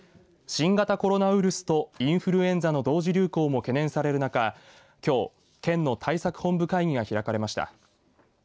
新型コロナウイルスとインフルエンザの同時流行も懸念される中きょう、県の対策本部会議が開かれました。